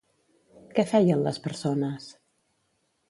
Què feien les persones?